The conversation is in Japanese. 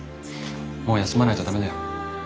もう休まないと駄目だよ。